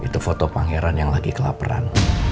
itu foto pangeran yang lagi kelaparan